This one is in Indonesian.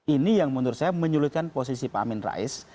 ini yang menurut saya menyulitkan posisi pak amin rais